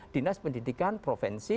dinas pendidikan provinsi